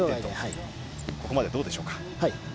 ここまでどうでしょうか。